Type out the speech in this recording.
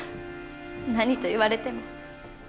何と言われても。